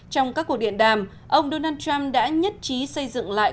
trong các cuộc điện đàm ông donald trump đã nhất trí xây dựng lại